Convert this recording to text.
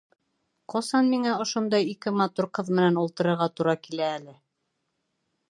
Ҡасан миңә ошондай ике матур ҡыҙ менән ултырырға тура килә әле.